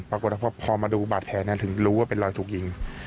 ปรากฏว่าพอมาดูบาดแผลถึงรู้ว่าเป็นรอยถูกยิง